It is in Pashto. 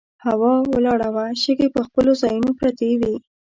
هوا ولاړه وه، شګې پر خپلو ځایونو پرتې وې.